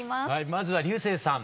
まずは彩青さん